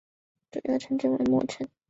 主要城镇为莫城。